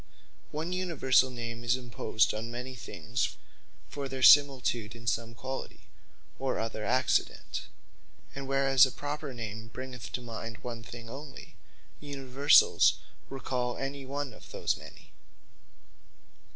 One Universall name is imposed on many things, for their similitude in some quality, or other accident: And whereas a Proper Name bringeth to mind one thing onely; Universals recall any one of those many.